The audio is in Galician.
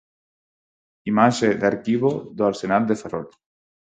Imaxe de arquivo do Arsenal de Ferrol.